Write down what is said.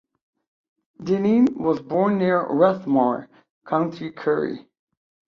Dinneen was born near Rathmore, County Kerry.